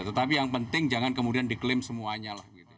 tetapi yang penting jangan kemudian diklaim semuanya lah